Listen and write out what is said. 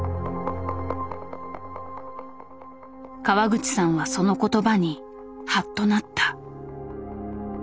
川口さんはその言葉にハッとなった。